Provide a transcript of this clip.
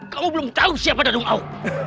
kamu belum tahu siapa danung kau